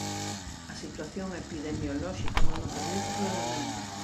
A situación epidemiolóxica non o permite polo momento.